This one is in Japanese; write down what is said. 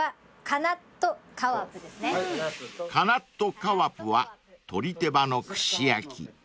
［カナットカワプは鳥手羽の串焼き］